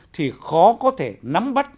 thì khó có thể nắm bắt